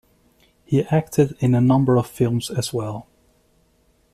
He acted in a number of films as well.